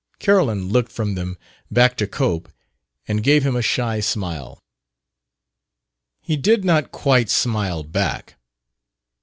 Carolyn looked from them back to Cope and gave him a shy smile. He did not quite smile back.